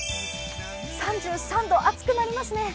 ３３度、暑くなりますね。